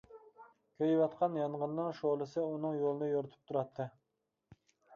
كۆيۈۋاتقان يانغىننىڭ شولىسى ئۇنىڭ يولىنى يورۇتۇپ تۇراتتى.